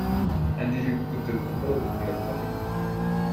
And did you put the envelope in your pocket?